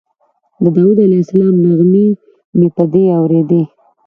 د داود علیه السلام نغمې مې په کې اورېدې.